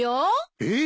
えっ？